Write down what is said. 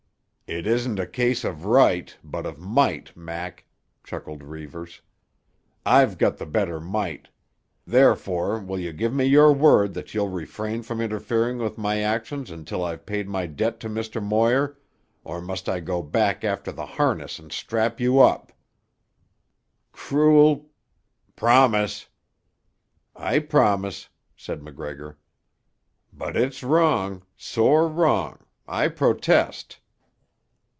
"It isn't a case of right, but of might, Mac," chuckled Reivers. "I've got the better might. Therefore, will you give me your word that you'll refrain from interfering with my actions until I've paid my debt to Mr. Moir, or must I go back after the harness and strap you up?" "Cruel——" "Promise!" "I promise," said MacGregor. "But it's wrong, sore wrong. I protest."